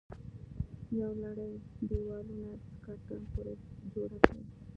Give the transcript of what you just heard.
یوه لړۍ دېوالونه د سکاټلند پورې جوړه کړه